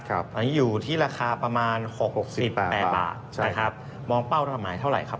อันนี้อยู่ที่ราคาประมาณ๖๘บาทนะครับมองเป้าระหมายเท่าไหร่ครับ